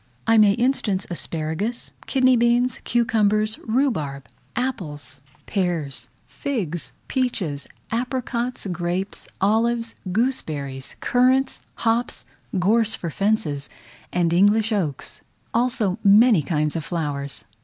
I may instance asparagus, kidney beans, cucumbers, rhubarb, apples, pears, figs, peaches, apricots, grapes, olives, gooseberries, currants, hops, gorse for fences, and English oaks; also many kinds of flowers.